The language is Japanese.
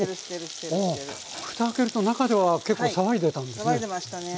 ふた開けると中では結構騒いでたんですね。